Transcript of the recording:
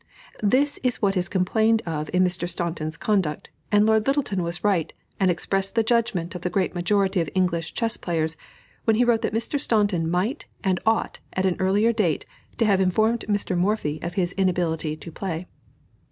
This is what is complained of in Mr. Staunton's conduct, and Lord Lyttelton was right, and expressed the judgment of the great majority of English chess players, when he wrote that Mr. Staunton might and ought, at an earlier date, to have informed Mr. Morphy of his inability to play.